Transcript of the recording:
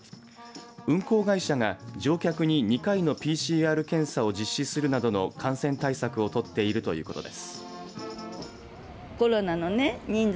運航会社が乗客に２回のＰＣＲ検査を実施するなどの感染対策をとっているということです。